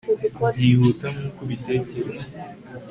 Byihuta nkuko ubitekereza